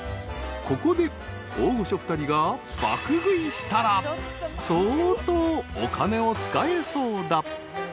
［ここで大御所２人が爆食いしたら相当お金を使えそうだ］